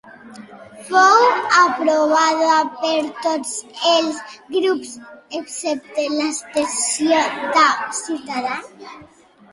Fou aprovada per tots els grups excepte l'abstenció de Ciutadans.